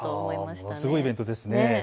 すごいイベントですね。